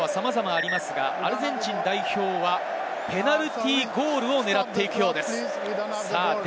再開方法はさまざまありますが、アルゼンチン代表はペナルティーゴールを狙っていくようです。